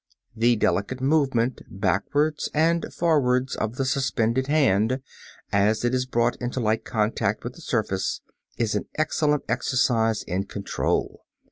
The delicate movement backwards and forwards of the suspended hand, as it is brought into light contact with the surface, is an excellent exercise in control.